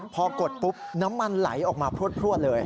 พอกดปุ๊บน้ำมันไหลออกมาพลวดเลย